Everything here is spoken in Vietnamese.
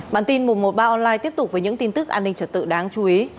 bản tin mùa một ba online tiếp tục với những tin tức an ninh trật tự đáng chú ý